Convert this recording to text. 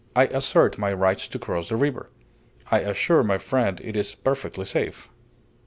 I assert my right to cross the river; I assure my friend it is perfectly safe.